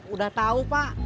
udah tau pak